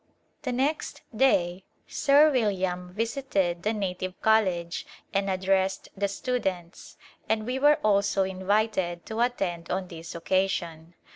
The next day Sir William visited the native college and addressed the students, and we were also invited to attend on this occasion.